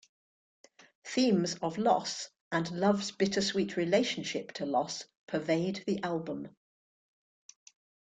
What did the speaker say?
Themes of loss and love's bittersweet relationship to loss pervade the album.